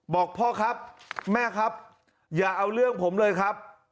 บอกพ่อครับแม่ครับอย่าเอาเรื่องผมเลยครับ